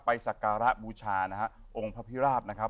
สักการะบูชานะฮะองค์พระพิราบนะครับ